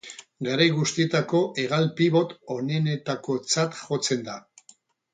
Garai guztietako hegal-pibot onenetakotzat jotzen da.